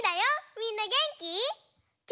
みんなげんき？